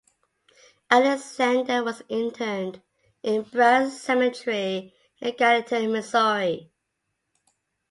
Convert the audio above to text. Alexander was interred in Brown Cemetery in Gallatin, Missouri.